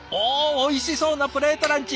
おいしそうなプレートランチ。